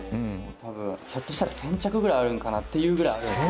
多分ひょっとしたら１０００着ぐらいあるんかなっていうぐらいあるんですよ。